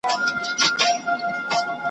نه د شین سترګي تعویذ ګر له کوډو `